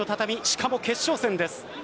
しかも決勝戦です。